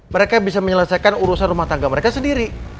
mereka bisa menyelesaikan urusan rumah tangga mereka sendiri